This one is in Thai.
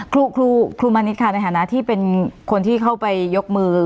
ครูมณิชย์ค่ะในฐานะที่เป็นคนที่เข้าไปยกมือ